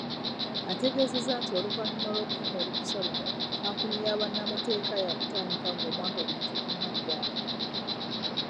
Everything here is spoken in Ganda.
Ategeezezza nti oluvanyuma lw'okufuna olukusa luno, kampuni ya bannamateeka ya kutandika ng'omwaka guno tegunnaggwako.